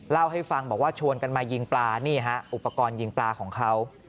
เล่าให้ฟังบอกว่าชวนกันมายิงปลานี่ฮะอุปกรณ์ยิงปลาของเขา